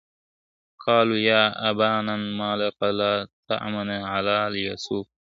قَالُوا يَا أَبَانَا مَا لَكَ لَا تَأْمَنَّا عَلَى يُوسُفَ.